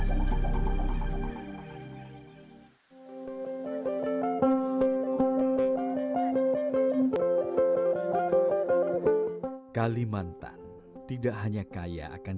di bagian hidup kalimantan